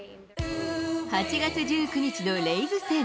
８月１９日のレイズ戦。